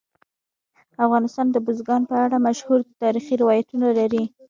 افغانستان د بزګان په اړه مشهور تاریخی روایتونه لري.